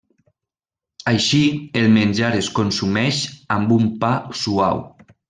Així el menjar es consumeix amb un pa suau.